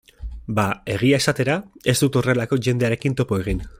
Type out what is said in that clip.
Ba, egia esatera, ez dut horrelako jendearekin topo egin.